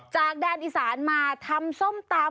จากแดนอีสานมาทำส้มตำ